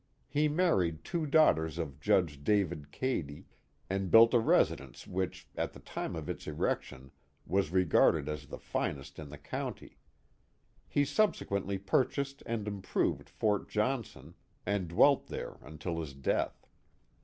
He married two daughters of Judge David Cady, and built a residence which, at the time of its erection, was regarded as the finest in the county. He subsequently purchased and improved Fort Johnson, and dwelt there until his death.